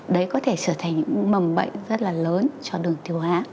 đấy có thể trở thành những mầm bệnh rất là lớn cho đường tiêu hóa